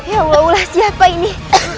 ya allah siapa ini